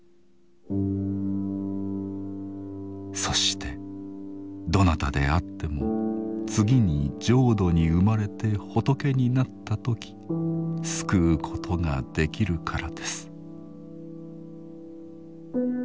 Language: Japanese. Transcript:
そしてどなたであっても次に浄土に生まれて仏になったとき救うことができるからです。